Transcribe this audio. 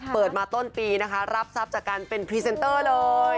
เปิดมาต้นปีรับทรัพย์จากกันเพื่อเป็นพิเศนเตอร์เลย